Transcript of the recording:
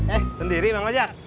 eh sendiri bang wajar